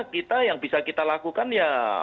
kita yang bisa kita lakukan ya